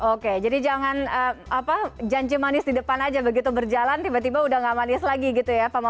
oke jadi jangan janji manis di depan aja begitu berjalan tiba tiba udah gak manis lagi gitu ya